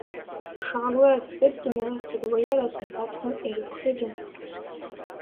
Charlot accepte mais reste loyal à son patron et le prévient.